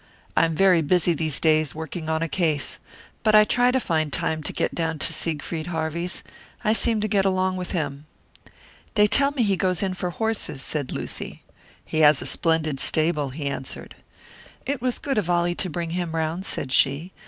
"I am very busy these days, working on a case. But I try to find time to get down to Siegfried Harvey's; I seem to get along with him." "They tell me he goes in for horses," said Lucy. "He has a splendid stable," he answered. "It was good of Ollie to bring him round," said she.